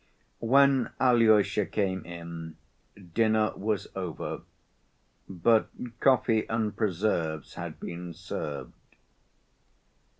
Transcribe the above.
When Alyosha came in, dinner was over, but coffee and preserves had been served.